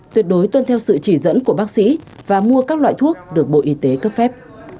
tuyệt đối tuân theo sự chỉ dẫn của bác sĩ và mua các loại thuốc được bộ y tế cấp phép